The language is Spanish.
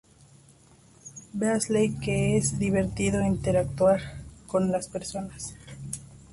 Beasley que es divertido interactuar con las personas.